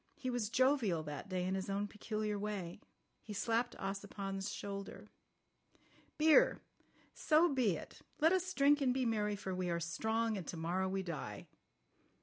He was jovial that day in his own peculiar way. He slapped Ossipon's shoulder. "Beer! So be it! Let us drink and be merry, for we are strong, and to morrow we die."